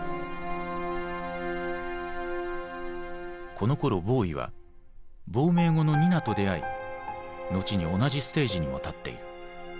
このころボウイは亡命後のニナと出会い後に同じステージにも立っている。